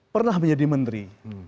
pernah menjadi menteri